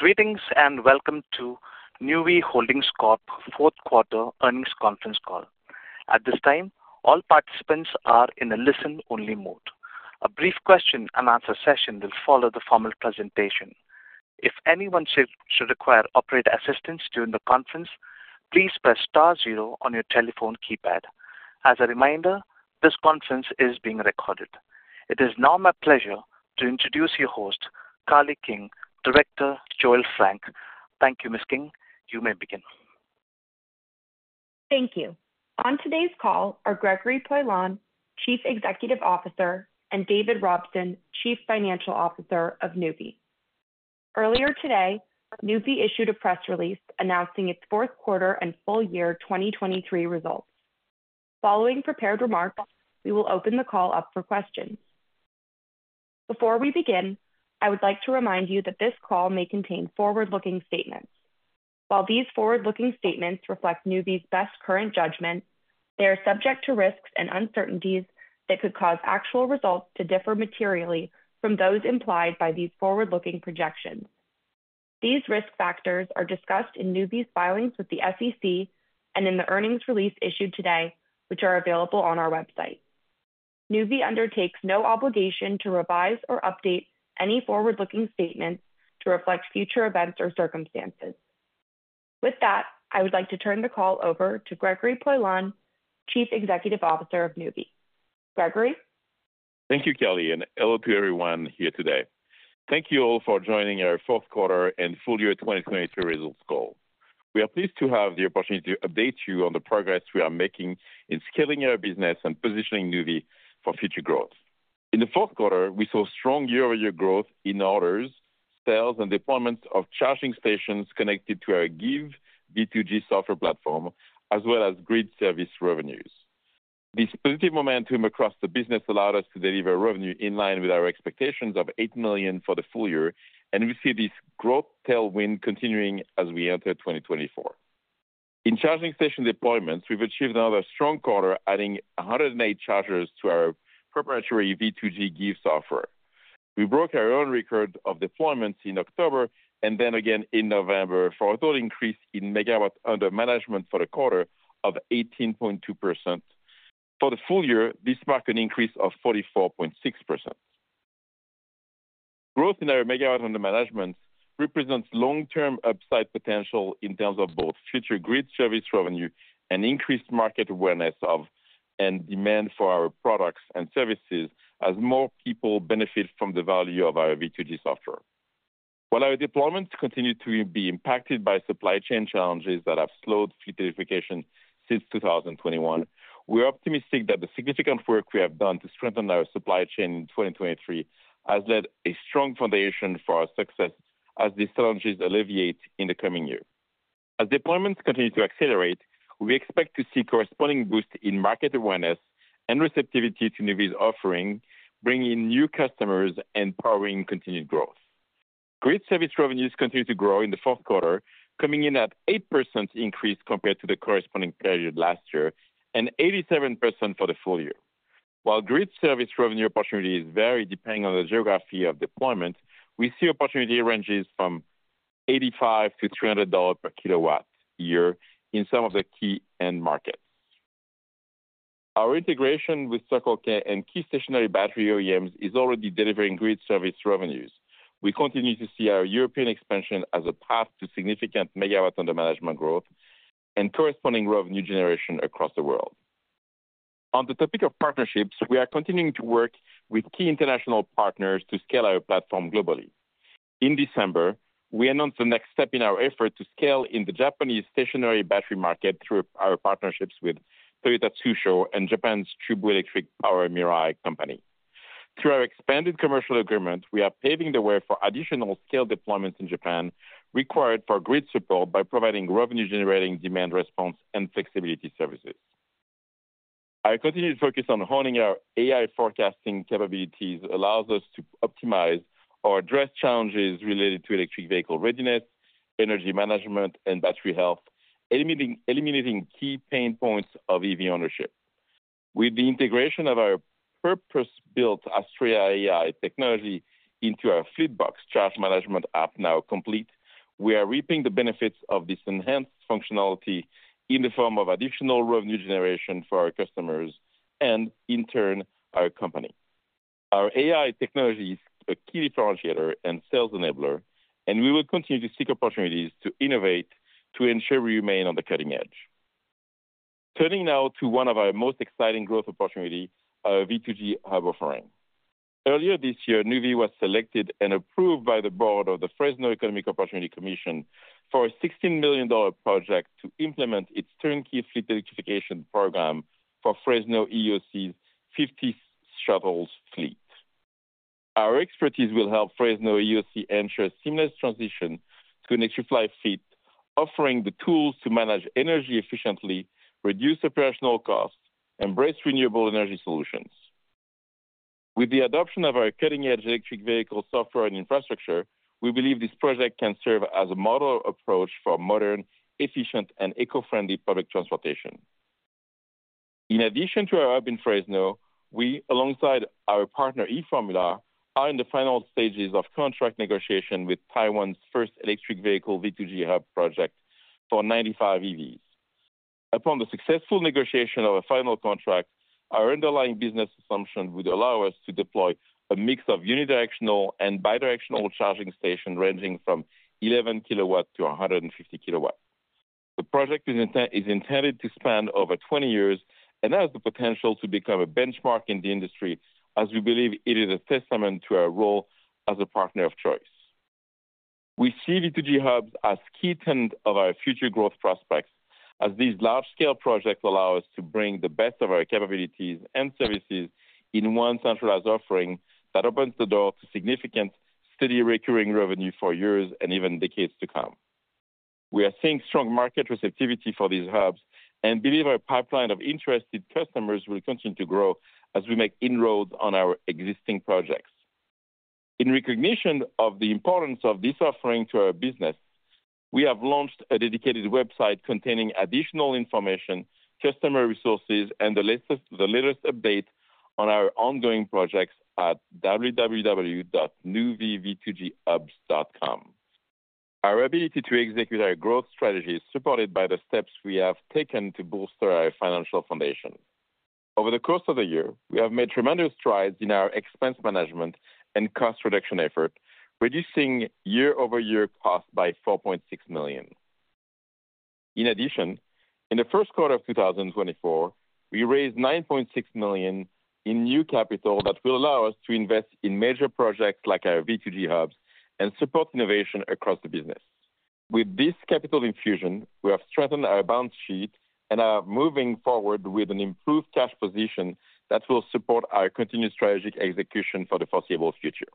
Greetings, and welcome to Nuvve Holdings Corp fourth quarter earnings conference call. At this time, all participants are in a listen-only mode. A brief question-and-answer session will follow the formal presentation. If anyone should require operator assistance during the conference, please press star zero on your telephone keypad. As a reminder, this conference is being recorded. It is now my pleasure to introduce your host, Carly King, Director, Joele Frank. Thank you, Ms. King. You may begin. Thank you. On today's call are Gregory Poilasne, Chief Executive Officer, and David Robson, Chief Financial Officer of Nuvve. Earlier today, Nuvve issued a press release announcing its fourth quarter and full year 2023 results. Following prepared remarks, we will open the call up for questions. Before we begin, I would like to remind you that this call may contain forward-looking statements. While these forward-looking statements reflect Nuvve's best current judgment, they are subject to risks and uncertainties that could cause actual results to differ materially from those implied by these forward-looking projections. These risk factors are discussed in Nuvve's filings with the SEC and in the earnings release issued today, which are available on our website. Nuvve undertakes no obligation to revise or update any forward-looking statements to reflect future events or circumstances. With that, I would like to turn the call over to Gregory Poilasne, Chief Executive Officer of Nuvve. Gregory? Thank you, Carly, and hello to everyone here today. Thank you all for joining our fourth quarter and full year 2023 results call. We are pleased to have the opportunity to update you on the progress we are making in scaling our business and positioning Nuvve for future growth. In the fourth quarter, we saw strong year-over-year growth in orders, sales, and deployments of charging stations connected to our GIV V2G software platform, as well as grid service revenues. This positive momentum across the business allowed us to deliver revenue in line with our expectations of $8 million for the full year, and we see this growth tailwind continuing as we enter 2024. In charging station deployments, we've achieved another strong quarter, adding 108 chargers to our proprietary V2G GIV software. We broke our own record of deployments in October and then again in November, for a total increase in megawatts under management for the quarter of 18.2%. For the full year, this marked an increase of 44.6%. Growth in our megawatts under management represents long-term upside potential in terms of both future grid service revenue and increased market awareness of, and demand for our products and services, as more people benefit from the value of our V2G software. While our deployments continue to be impacted by supply chain challenges that have slowed fleet electrification since 2021, we are optimistic that the significant work we have done to strengthen our supply chain in 2023 has led a strong foundation for our success as these challenges alleviate in the coming year. As deployments continue to accelerate, we expect to see corresponding boost in market awareness and receptivity to Nuvve's offering, bringing new customers and powering continued growth. Grid service revenues continued to grow in the fourth quarter, coming in at 8% increase compared to the corresponding period last year, and 87% for the full year. While grid service revenue opportunity is varied, depending on the geography of deployment, we see opportunity ranges from $85-$300 per kilowatt year in some of the key end markets. Our integration with Circle K and key stationary battery OEMs is already delivering grid service revenues. We continue to see our European expansion as a path to significant megawatts under management growth and corresponding revenue generation across the world. On the topic of partnerships, we are continuing to work with key international partners to scale our platform globally. In December, we announced the next step in our effort to scale in the Japanese stationary battery market through our partnerships with Toyota Tsusho and Japan's Chubu Electric Power Mirai company. Through our expanded commercial agreement, we are paving the way for additional scale deployments in Japan required for grid support by providing revenue-generating demand response and flexibility services. Our continued focus on honing our AI forecasting capabilities allows us to optimize or address challenges related to electric vehicle readiness, energy management, and battery health, eliminating key pain points of EV ownership. With the integration of our purpose-built Astrea AI technology into our FleetBox charge management app now complete, we are reaping the benefits of this enhanced functionality in the form of additional revenue generation for our customers and in turn, our company. Our AI technology is a key differentiator and sales enabler, and we will continue to seek opportunities to innovate to ensure we remain on the cutting edge. Turning now to one of our most exciting growth opportunity, our V2G hub offering. Earlier this year, Nuvve was selected and approved by the board of the Fresno Economic Opportunities Commission for a $16 million project to implement its turnkey fleet electrification program for Fresno EOC's 50-shuttle fleet. Our expertise will help Fresno EOC ensure a seamless transition to an electrified fleet, offering the tools to manage energy efficiently, reduce operational costs, embrace renewable energy solutions. With the adoption of our cutting-edge electric vehicle software and infrastructure, we believe this project can serve as a model approach for modern, efficient, and eco-friendly public transportation. In addition to our hub in Fresno, we, alongside our partner, e-Formula, are in the final stages of contract negotiation with Taiwan's first electric vehicle V2G hub project for 95 EVs. Upon the successful negotiation of a final contract, our underlying business assumption would allow us to deploy a mix of unidirectional and bidirectional charging stations, ranging from 11 kW to 150 kW. The project is intended to span over 20 years and has the potential to become a benchmark in the industry, as we believe it is a testament to our role as a partner of choice. We see V2G hubs as key tenet of our future growth prospects, as these large-scale projects allow us to bring the best of our capabilities and services in one centralized offering that opens the door to significant, steady, recurring revenue for years and even decades to come. We are seeing strong market receptivity for these hubs and believe our pipeline of interested customers will continue to grow as we make inroads on our existing projects. In recognition of the importance of this offering to our business, we have launched a dedicated website containing additional information, customer resources, and the latest update on our ongoing projects at www.nuvvev2ghubs.com. Our ability to execute our growth strategy is supported by the steps we have taken to bolster our financial foundation. Over the course of the year, we have made tremendous strides in our expense management and cost reduction effort, reducing year-over-year costs by $4.6 million. In addition, in the first quarter of 2024, we raised $9.6 million in new capital that will allow us to invest in major projects like our V2G hubs and support innovation across the business. With this capital infusion, we have strengthened our balance sheet and are moving forward with an improved cash position that will support our continued strategic execution for the foreseeable future.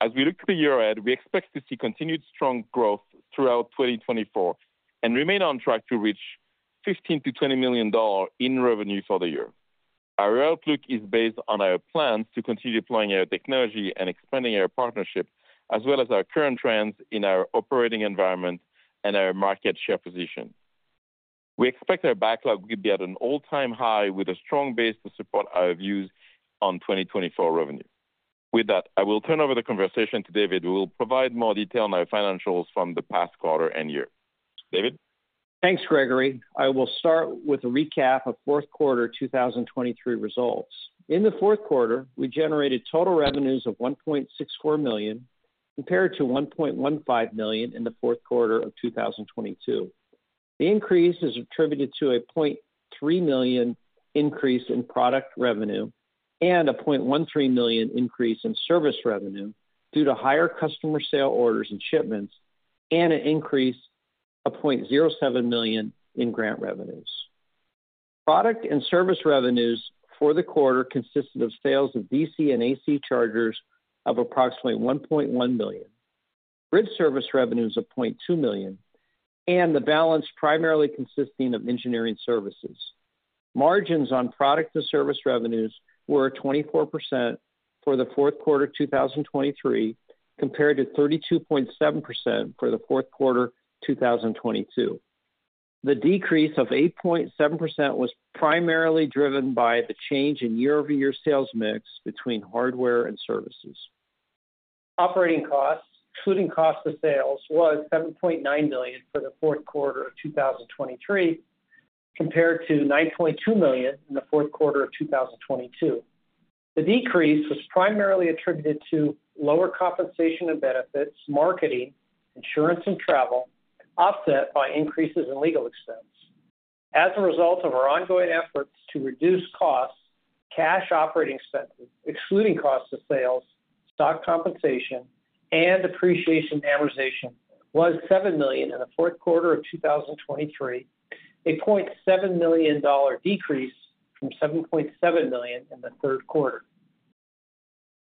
As we look to the year ahead, we expect to see continued strong growth throughout 2024 and remain on track to reach $15 million-$20 million in revenue for the year. Our outlook is based on our plans to continue deploying our technology and expanding our partnership, as well as our current trends in our operating environment and our market share position. We expect our backlog will be at an all-time high, with a strong base to support our views on 2024 revenue. With that, I will turn over the conversation to David, who will provide more detail on our financials from the past quarter and year. David? Thanks, Gregory. I will start with a recap of fourth quarter 2023 results. In the fourth quarter, we generated total revenues of $1.64 million, compared to $1.15 million in the fourth quarter of 2022. The increase is attributed to a $0.3 million increase in product revenue and a $0.13 million increase in service revenue, due to higher customer sale orders and shipments, and an increase of $0.07 million in grant revenues. Product and service revenues for the quarter consisted of sales of DC and AC chargers of approximately $1.1 million, grid service revenues of $0.2 million, and the balance primarily consisting of engineering services. Margins on product and service revenues were at 24% for the fourth quarter 2023, compared to 32.7% for the fourth quarter 2022. The decrease of 8.7% was primarily driven by the change in year-over-year sales mix between hardware and services. Operating costs, including cost of sales, was $7.9 million for the fourth quarter of 2023, compared to $9.2 million in the fourth quarter of 2022. The decrease was primarily attributed to lower compensation and benefits, marketing, insurance and travel, and offset by increases in legal expense. As a result of our ongoing efforts to reduce costs, cash operating expenses, excluding cost of sales, stock compensation, and depreciation, amortization was $7 million in the fourth quarter of 2023, a $0.7 million decrease from $7.7 million in the third quarter.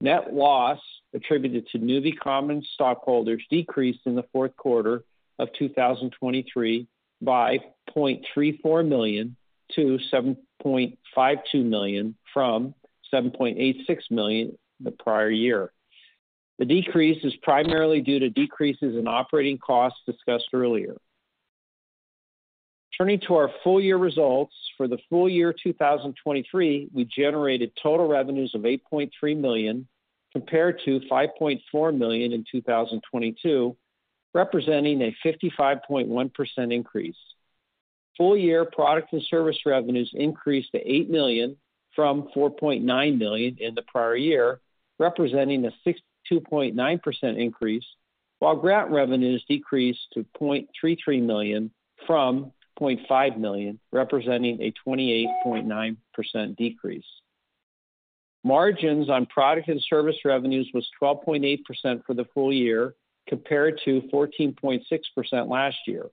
Net loss attributed to Nuvve common stockholders decreased in the fourth quarter of 2023 by $0.34 million-$7.52 million, from $7.86 million the prior year. The decrease is primarily due to decreases in operating costs discussed earlier. Turning to our full year results. For the full year 2023, we generated total revenues of $8.3 million, compared to $5.4 million in 2022, representing a 55.1% increase. Full year product and service revenues increased to $8 million from $4.9 million in the prior year, representing a 62.9% increase, while grant revenues decreased to $0.33 million from $0.5 million, representing a 28.9% decrease. Margins on product and service revenues was 12.8% for the full year, compared to 14.6% last year.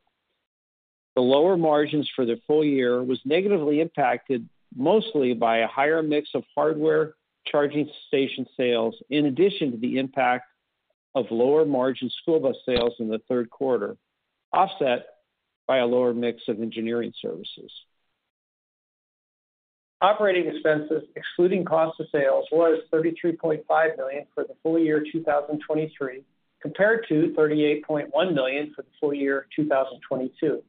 The lower margins for the full year was negatively impacted, mostly by a higher mix of hardware charging station sales, in addition to the impact of lower margin school bus sales in the third quarter, offset by a lower mix of engineering services. Operating expenses, excluding cost of sales, was $33.5 million for the full year 2023, compared to $38.1 million for the full year 2022.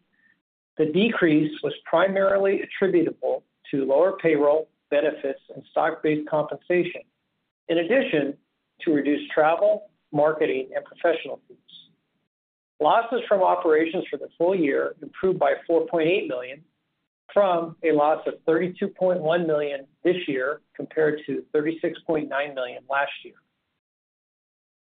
The decrease was primarily attributable to lower payroll, benefits, and stock-based compensation, in addition to reduced travel, marketing, and professional fees. Losses from operations for the full year improved by $4.8 million, from a loss of $32.1 million this year compared to $36.9 million last year.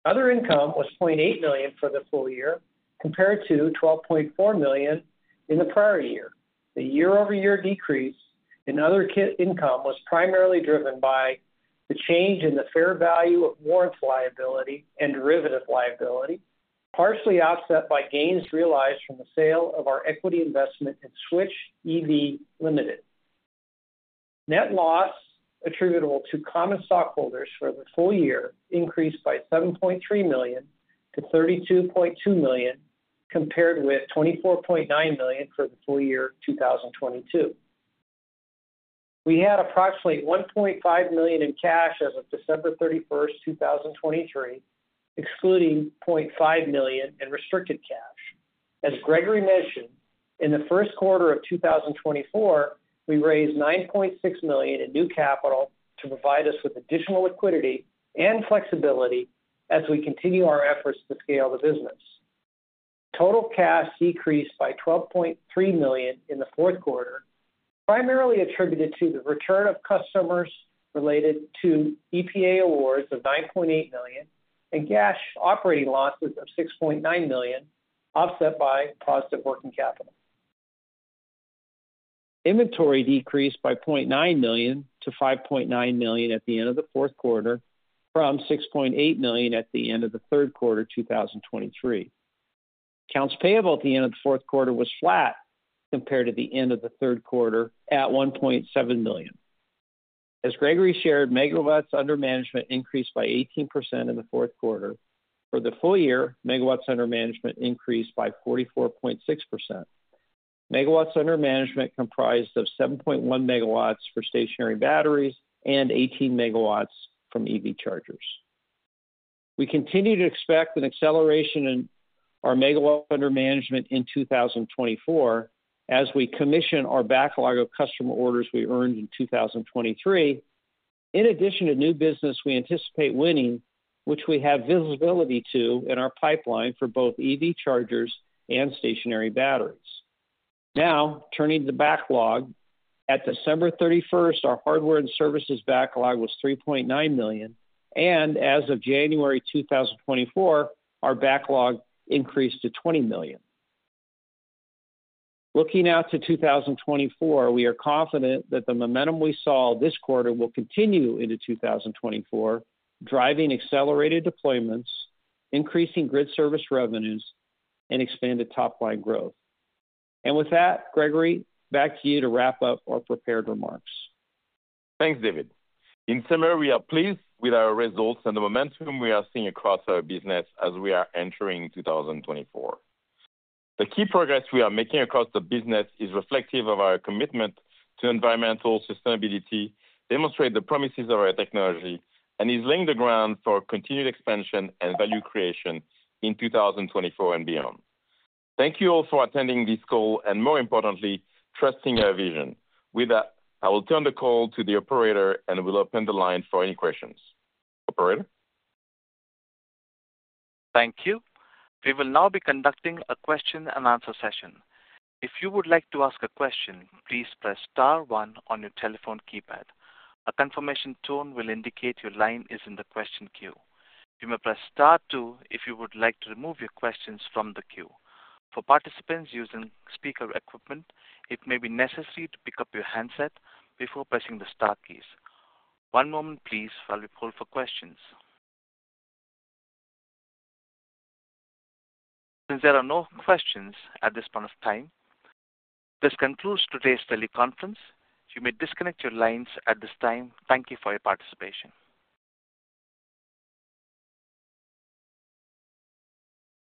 Other income was $0.8 million for the full year, compared to $12.4 million in the prior year. The year-over-year decrease in other income was primarily driven by the change in the fair value of warrants liability and derivative liability, partially offset by gains realized from the sale of our equity investment in Switch EV Limited. Net loss attributable to common stockholders for the full year increased by $7.3 million-$32.2 million, compared with $24.9 million for the full year 2022. We had approximately $1.5 million in cash as of December 31, 2023, excluding $0.5 million in restricted cash. As Gregory mentioned, in the first quarter of 2024, we raised $9.6 million in new capital to provide us with additional liquidity and flexibility as we continue our efforts to scale the business. Total cash decreased by $12.3 million in the fourth quarter, primarily attributed to the return of customers related to EPA awards of $9.8 million and cash operating losses of $6.9 million, offset by positive working capital. Inventory decreased by $0.9 million-$5.9 million at the end of the fourth quarter, from $6.8 million at the end of the third quarter, 2023. Accounts payable at the end of the fourth quarter was flat compared to the end of the third quarter at $1.7 million. As Gregory shared, megawatts under management increased by 18% in the fourth quarter. For the full year, megawatts under management increased by 44.6%. Megawatts under management comprised of 7.1 MW for stationary batteries and 18 MW from EV chargers. We continue to expect an acceleration in our megawatts under management in 2024, as we commission our backlog of customer orders we earned in 2023, in addition to new business we anticipate winning, which we have visibility to in our pipeline for both EV chargers and stationary batteries. Now, turning to the backlog. At December 31st, our hardware and services backlog was $3.9 million, and as of January 2024, our backlog increased to $20 million. Looking out to 2024, we are confident that the momentum we saw this quarter will continue into 2024, driving accelerated deployments, increasing grid service revenues, and expanded top-line growth. And with that, Gregory, back to you to wrap up our prepared remarks. Thanks, David. In summary, we are pleased with our results and the momentum we are seeing across our business as we are entering 2024. The key progress we are making across the business is reflective of our commitment to environmental sustainability, demonstrate the promises of our technology, and is laying the ground for continued expansion and value creation in 2024 and beyond. Thank you all for attending this call, and more importantly, trusting our vision. With that, I will turn the call to the operator, and will open the line for any questions. Operator? Thank you. We will now be conducting a question-and-answer session. If you would like to ask a question, please press star one on your telephone keypad. A confirmation tone will indicate your line is in the question queue. You may press star two if you would like to remove your questions from the queue. For participants using speaker equipment, it may be necessary to pick up your handset before pressing the star keys. One moment please while we poll for questions. Since there are no questions at this point of time, this concludes today's teleconference. You may disconnect your lines at this time. Thank you for your participation.